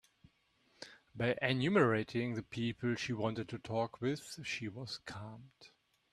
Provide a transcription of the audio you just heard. By enumerating the people she wanted to talk with, she was calmed.